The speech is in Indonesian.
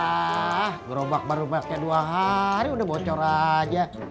nah gerobak baru pake dua hari udah bocor aja